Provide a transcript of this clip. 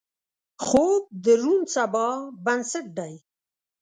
خوب د روڼ سبا بنسټ دی